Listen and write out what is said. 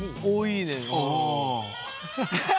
おおいいね。